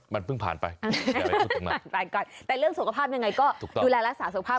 มันเพิ่งผ่านไปก่อนแต่เรื่องสุขภาพยังไงก็ดูแลรักษาสุขภาพ